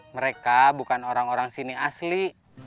mereka bukan orang orang sini asli